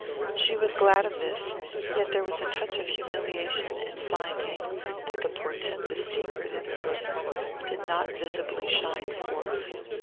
She was glad of this; yet there was a touch of humiliation in finding that the portentous secret in her bosom did not visibly shine forth.